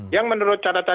yang menurut catatan